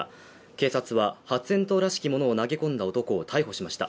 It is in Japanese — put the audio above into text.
警察は発煙筒らしきものを投げ込んだ男を逮捕しました。